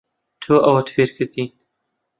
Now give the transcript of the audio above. تۆ ئەوەت فێر کردین.